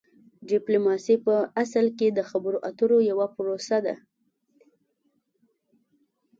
ډیپلوماسي په اصل کې د خبرو اترو یوه پروسه ده